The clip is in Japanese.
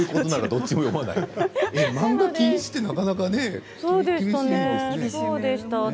漫画禁止ってなかなかね厳しいですね。